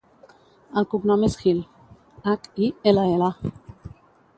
El cognom és Hill: hac, i, ela, ela.